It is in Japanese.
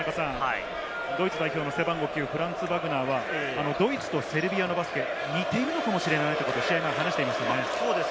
ドイツ代表の背番号９、フランツ・バグナーはドイツとセルビアのバスケ、似ているのかもしれないと試合前に話していました。